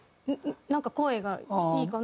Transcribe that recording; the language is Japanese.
なんか声がいいかな。